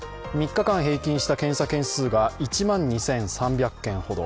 ３日間平均した検査件数が１万２３００件ほど。